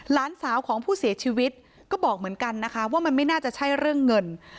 หลานสาวของผู้เสียชีวิตก็บอกเหมือนกันนะคะว่ามันไม่น่าจะใช่เรื่องเงิน